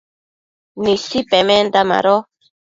Nisi pemenda mado